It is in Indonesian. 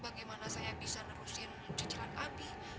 bagaimana saya bisa nerusin jejalan abi